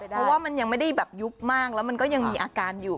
เพราะว่ามันยังไม่ได้แบบยุบมากแล้วมันก็ยังมีอาการอยู่